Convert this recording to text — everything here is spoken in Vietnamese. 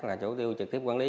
là chỗ tiêu trực tiếp quản lý